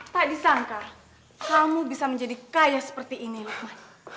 tak disangka kamu bisa menjadi kaya seperti ini lukman